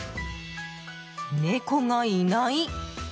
猫がいない！